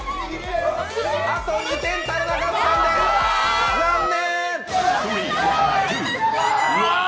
あと２点足りなかったんで、残念！